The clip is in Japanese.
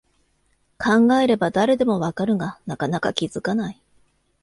考えれば誰でもわかるが、なかなか気づかない